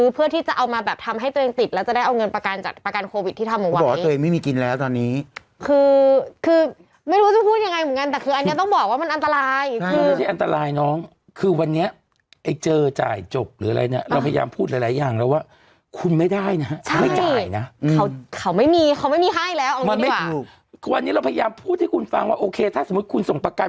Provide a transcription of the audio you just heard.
ประมาณสองชั่วโมงพี่ชาวรอประมาณชั่วโมงครึ่งโอ้ย